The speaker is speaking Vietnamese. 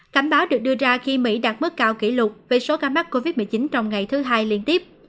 cảnh báo được đưa ra khi mỹ đạt mức cao kỷ lục về số ca mắc covid một mươi chín trong ngày thứ hai liên tiếp